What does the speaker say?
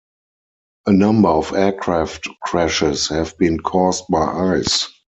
A number of aircraft crashes have been caused by ice.